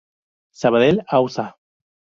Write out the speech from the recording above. Sabadell: Ausa.